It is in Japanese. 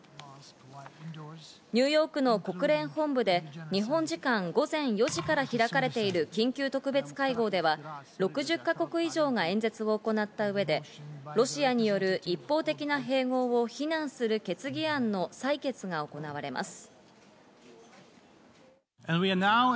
ニューヨークの国連本部で日本時間午前４時から開かれている緊急特別会合では６０か国以上が演説を行った上でロシアによる一方的な併合を非難する決議案の採決が行われます。